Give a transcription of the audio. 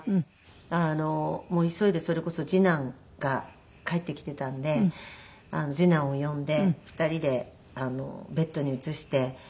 もう急いでそれこそ次男が帰ってきていたんで次男を呼んで２人でベッドに移して。